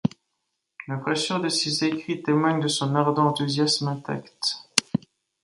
La fraîcheur de ses écrits témoigne de son ardent enthousiasme intacte.